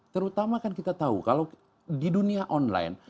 terutama kan kita tahu kalau di dunia online